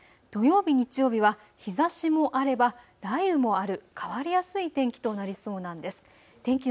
土曜日、日曜日は日ざしもあれば雷雨もある変わりやすい天気となりそうなんです。